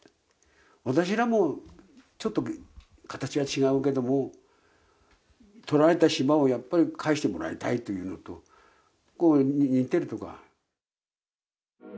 私らも、ちょっと形は違うけども、取られた島をやっぱり返してもらいたいっていうのと似てるところ